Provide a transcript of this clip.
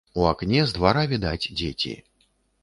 У акне з двара відаць дзеці.